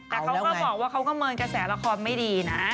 แต่เขาก็บอกว่าเขาประเมินกระแสละครไม่ดีนะ